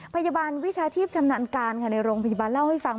พยาบาลวิชาชีพชำนาญการค่ะในโรงพยาบาลเล่าให้ฟัง